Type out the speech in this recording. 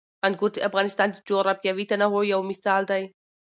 انګور د افغانستان د جغرافیوي تنوع یو مثال دی.